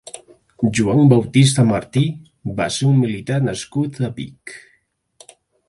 Juan Bautista Martí va ser un militar nascut a Vic.